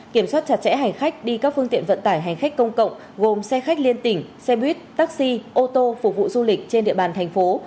kiểm soát chặt chẽ hành khách đi các phương tiện vận tải hành khách công cộng gồm xe khách liên tỉnh xe buýt taxi ô tô phục vụ du lịch trên địa bàn thành phố